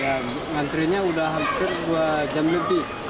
ya ngantrinya sudah hampir dua jam lebih